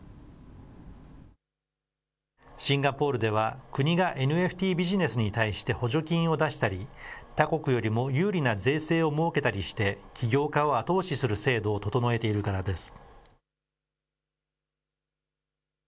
シンガポールでは、国がＮＦＴビジネスに対して補助金を出したり、他国よりも有利な税制を設けたりして、起業家を後押しする制度を整えているからです。